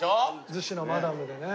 逗子のマダムでね。